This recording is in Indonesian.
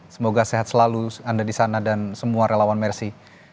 semoga sehat selalu anda di sana dan semua relawan mercy